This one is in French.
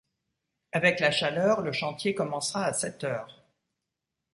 Avec la chaleur, le chantier commencera à sept heures